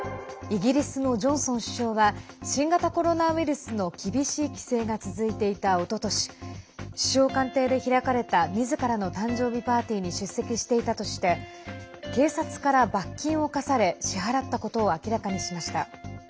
イギリスのジョンソン首相は新型コロナウイルスの厳しい規制が続いていたおととし首相官邸で開かれたみずからの誕生日パーティーに出席していたとして警察から罰金を科され支払ったことを明らかにしました。